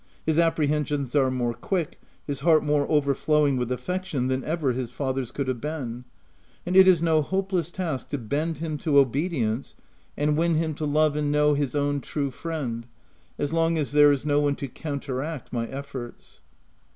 His apprehensions are more quick, his heart more overflowing with affection than ever his father's could have been ; and it is no hope less task to bend him to obedience and win him to love and know his own true friend, as long as there is no one to counteract my efforts.